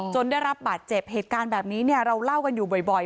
ได้รับบาดเจ็บเหตุการณ์แบบนี้เนี่ยเราเล่ากันอยู่บ่อย